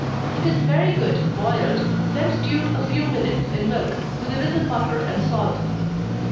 It is very good boiled, then stewed a few minutes in milk, with a little butter and salt.